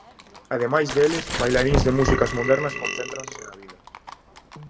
Ademais deles, bailaríns de músicas modernas concéntranse na vila.